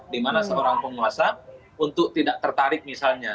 dimana seorang penguasa untuk tidak tertarik misalnya